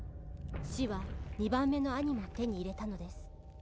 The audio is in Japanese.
「死は２番目の兄も手に入れたのです」